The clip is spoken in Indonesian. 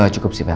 cukup sih bel